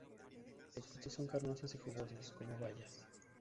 Los frutos son carnosos y jugosos, como bayas.